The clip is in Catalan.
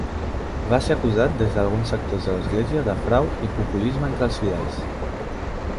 Va ser acusat, des d'alguns sectors de l'Església, de frau i populisme entre els fidels.